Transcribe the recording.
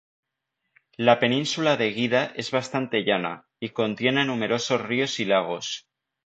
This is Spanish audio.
La península de Guida es bastante llana, y contiene numerosos ríos y lagos.